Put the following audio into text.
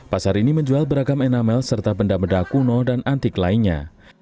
pasar ini menjual beragam enamel serta benda benda kuno dan antik lainnya